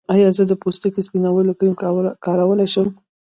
ایا زه د پوستکي سپینولو کریم کارولی شم؟